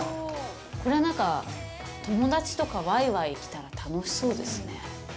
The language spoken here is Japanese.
これは、なんか、友達とか、ワイワイ来たら楽しそうですね。